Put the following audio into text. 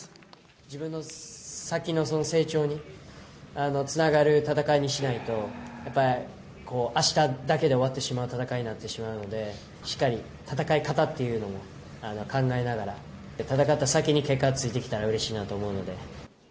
自分の先のその成長につながる戦いにしないと、やっぱり、あしただけで終わってしまう戦いになってしまうので、しっかり戦い方っていうのも考えながら、戦った先に結果がついてきたらうれしいなと思うので。